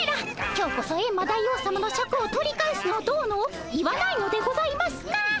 今日こそエンマ大王さまのシャクを取り返すのどうのを言わないのでございますか？